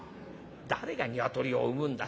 「誰がニワトリを産むんだ。